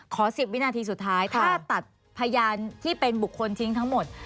๑๐วินาทีสุดท้ายถ้าตัดพยานที่เป็นบุคคลทิ้งทั้งหมด